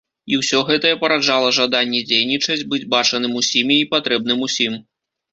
І ўсё гэтае параджала жаданні дзейнічаць, быць бачаным усімі і патрэбным усім.